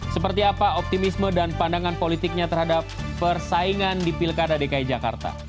seperti apa optimisme dan pandangan politiknya terhadap persaingan di pilkada dki jakarta